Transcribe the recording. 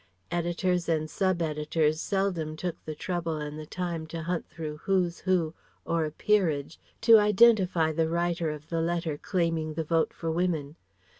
Editors and sub editors seldom took the trouble and the time to hunt through Who's Who, or a Peerage to identify the writer of the letter claiming the Vote for Women.